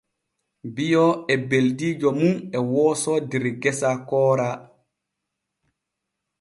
Bio e beldiijo mum e wooso der gesa koora.